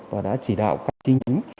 và đã chỉ đạo các chính